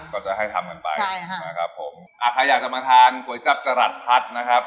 ก็จะให้ทำกันไปใช่ค่ะนะครับผมอ่าใครอยากจะมาทานก๋วยจับจรัสพัดนะครับ